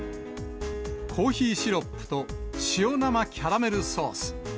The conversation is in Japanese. コーヒーシロップと塩生キャラメルソース。